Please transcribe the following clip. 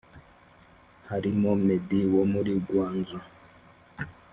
harimo medi wo muri gwanzu